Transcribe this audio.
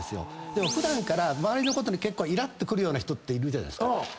でも普段から周りのことに結構イラッてくるような人っているじゃないですか。